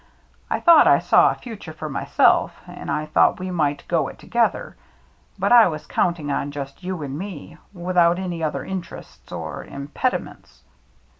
I thought I saw a future for myself, and I thought we might go it to gether. But I was counting on just you and me, without any other interests or impediments."